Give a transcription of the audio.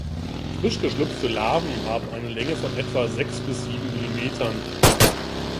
Frisch geschlüpfte Larven haben eine Länge von etwa sechs bis sieben Millimetern.